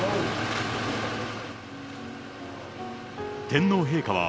天皇陛下は、